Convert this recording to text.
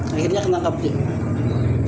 akhirnya kena kapik